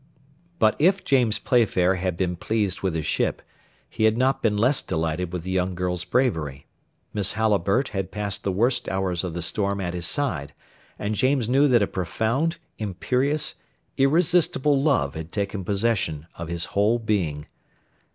But if James Playfair had been pleased with his ship, he had not been less delighted with the young girl's bravery; Miss Halliburtt had passed the worst hours of the storm at his side, and James knew that a profound, imperious, irresistible love had taken possession of his whole being.